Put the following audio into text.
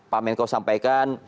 pak menko sampaikan